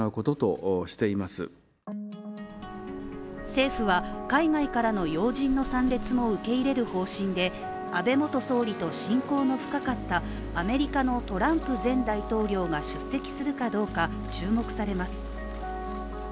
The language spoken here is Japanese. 政府は海外からの要人の参列も受け入れる方針で安倍元総理と親交の深かったアメリカのトランプ前大統領が出席するかどうか注目されます。